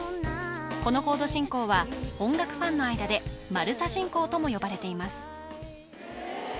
このコード進行は音楽ファンの間で「丸サ進行」とも呼ばれています